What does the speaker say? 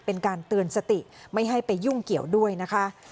เป็นการเตือนสติไม่ให้ไปยุ่งเกี่ยวด้วยนะคะ